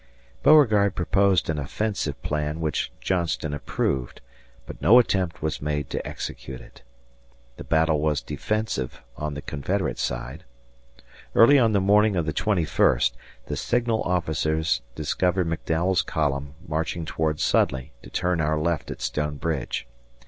Beauregard proposed an offensive plan which Johnston approved, but no attempt was made to execute it. The battle was defensive on the Confederate side. Early on the morning of the twenty first the signal officers discovered McDowell's column marching towards Sudley to turn our left at Stone Bridge.